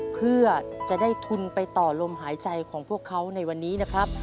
เพื่อจะได้ทุนไปต่อลมหายใจของพวกเขาในวันนี้นะครับ